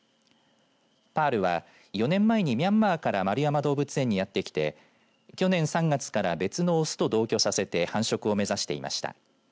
パールは４年前にミャンマーから円山動物園にやって来て去年３月から別の雄と同居させて繁殖を目指していました。